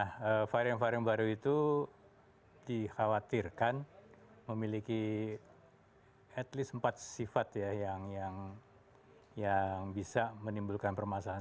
nah varian varian baru itu dikhawatirkan memiliki at least empat sifat ya yang bisa menimbulkan permasalahan